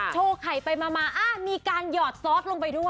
โชว์ไข่ไปมามีการหยอดซอสลงไปด้วย